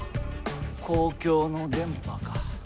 公共の電波か。